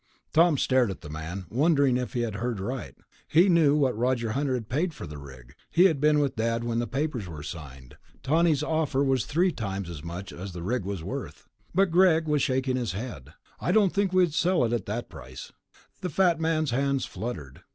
Tom stared at the man, wondering if he had heard right. He knew what Roger Hunter had paid for the rig; he had been with Dad when the papers were signed. Tawney's offer was three times as much as the rig was worth. But Greg was shaking his head. "I don't think we could sell at that price." The fat man's hands fluttered.